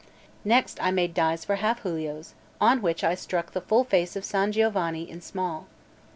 Next I made dies for half giulios on which I struck the full face of San Giovanni in small.